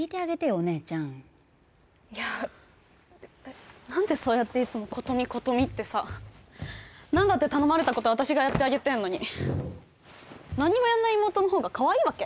お姉ちゃんいや何でそうやっていつも琴美琴美ってさ何だって頼まれたことは私がやってあげてんのに何もやんない妹の方がかわいいわけ？